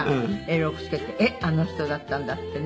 六輔って「えっあの人だったんだ」ってね。